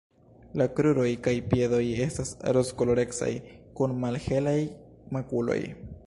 La kruroj kaj piedoj estas rozkolorecaj kun malhelaj makuloj.